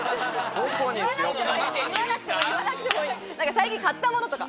最近買ったものとか。